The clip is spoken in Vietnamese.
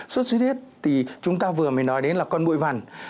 sốt xuất huyết thì chúng ta vừa mới nói đến là con bụi vằn